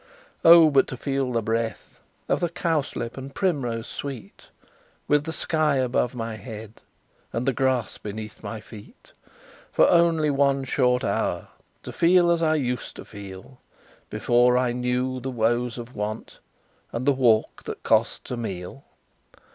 "Oh! but to breathe the breath Of the cowslip and primrose sweet With the sky above my head, And the grass beneath my feet, For only one short hour To feel as I used to feel, Before I knew the woes of want And the walk that costs a meal!